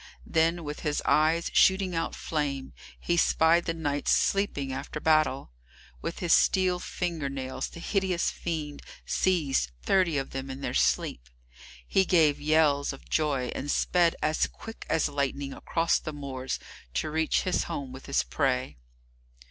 Then, with his eyes shooting out flame, he spied the knights sleeping after battle. With his steel finger nails the hideous fiend seized thirty of them in their sleep. He gave yells of joy, and sped as quick as lightning across the moors, to reach his home with his prey.